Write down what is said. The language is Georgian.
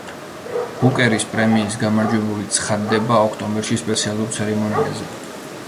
ბუკერის პრემიის გამარჯვებული ცხადდება ოქტომბერში სპეციალურ ცერემონიაზე.